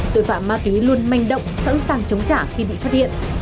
tội phạm ma túy luôn manh động sẵn sàng chống trả khi bị phát hiện